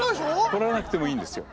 掘らなくてもいいんですよ。